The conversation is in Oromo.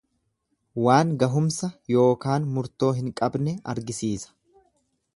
Waan gahumsa yookaan murtoo hin qabne agarsiisa.